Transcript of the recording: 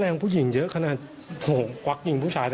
ถ้าแรงผู้หญิงเยอะขนาดหวักหญิงผู้ชาย